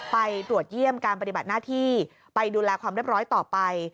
ไปตรวจเยี่ยมการปฏิบัติหน้าที่ไปดูแลความเรียบร้อยต่อไป